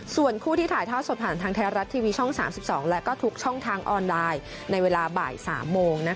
ส่วนคู่ที่ถ่ายทอดสดผ่านทางไทยรัฐทีวีช่อง๓๒และก็ทุกช่องทางออนไลน์ในเวลาบ่าย๓โมง